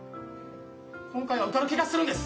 今回は受かる気がするんです。